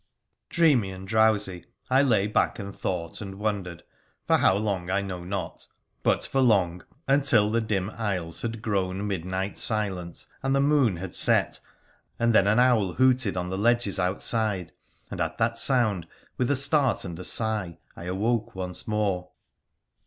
Dreamy and drowsy I lay back and thought and wondered, for how long I know not, but for long — until the dim aisles had grown midnight silent and the moon had set, and then an owl hooted on the ledges outside, and at that sound, with a start and a sigh, I aAVoke once more.